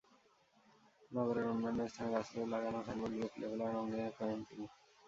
নগরের অন্যান্য স্থানে গাছে লাগানো সাইনবোর্ডগুলো খুলে ফেলারও অঙ্গীকার করেন তিনি।